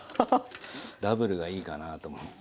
ダブルがいいかなと思って。